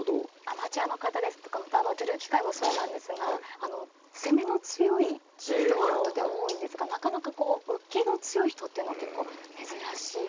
アマチュアの方ですとかまた女流棋界もそうなんですが攻めの強い人はとても多いんですがなかなか受けの強い人っていうのは結構珍しい。